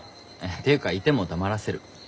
っていうかいても黙らせる。